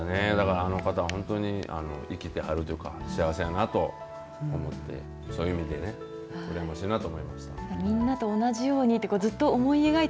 あの方は本当に生きてはるというか幸せだなと思ってそういう意味でうらやましいなと思いました。